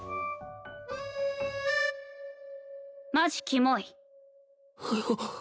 マジキモい。